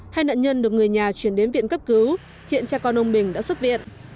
hai nạn nhân được người nhà chuyển đến viện cấp cứu hiện cha con ông bình đã xuất viện